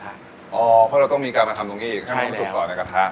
เพราะเราต้องมีการมาทำตรงนี้อีกให้มันสุกต่อในกระทะ